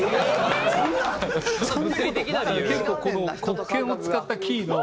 結構この黒鍵を使ったキーの。